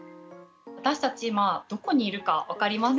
私たち今どこにいるか分かりますか？